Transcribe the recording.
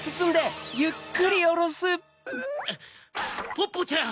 ポッポちゃん！